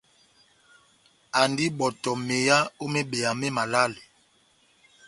Andi ó ibɔtɔ meyá ó mebeya mé malale.